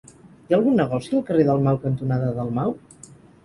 Hi ha algun negoci al carrer Dalmau cantonada Dalmau?